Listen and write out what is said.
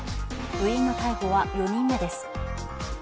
部員の逮捕は４人目です。